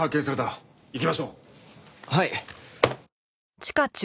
はい。